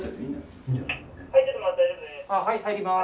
はい入ります。